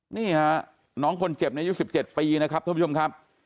นี่ฮะน้องคนเจ็บในยุค๑๗ปีนะครับท่านผู้ชมครับ